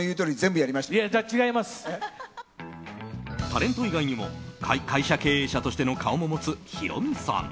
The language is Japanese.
タレント以外にも会社経営者としての顔も持つヒロミさん。